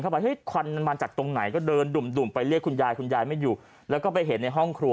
คือต้องชื่นชมเพื่อนบ้านนะ